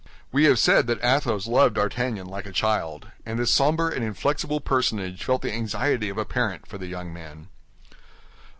We have said that Athos loved D'Artagnan like a child, and this somber and inflexible personage felt the anxiety of a parent for the young man.